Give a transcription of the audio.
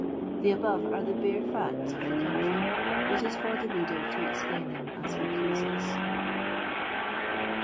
The above are the bare facts (if the country — it is for the reader to explain them as ho p!ea.ses.